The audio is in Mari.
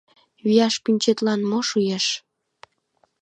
Вияш пӱнчетлан мо шуэш?